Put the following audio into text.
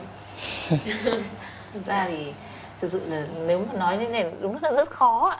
thực sự là nếu mà nói như thế này đúng là rất khó